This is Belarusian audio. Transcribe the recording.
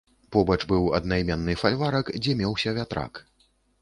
Побач быў аднайменны фальварак, дзе меўся вятрак.